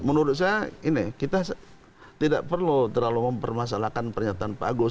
menurut saya ini kita tidak perlu terlalu mempermasalahkan pernyataan pak agus